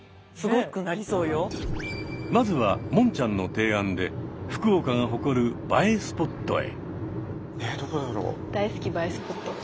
まずはもんちゃんの提案で福岡が誇る「映えスポット」へ。